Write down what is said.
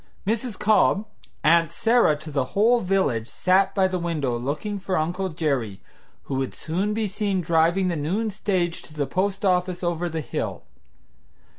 Mrs. Cobb, "Aunt Sarah" to the whole village, sat by the window looking for Uncle Jerry, who would soon be seen driving the noon stage to the post office over the hill.